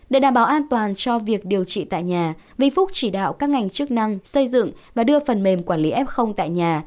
để đảm bảo an toàn cho việc điều trị tại nhà vĩnh phúc chỉ đạo các ngành chức năng xây dựng và đưa phần mềm quản lý f tại nhà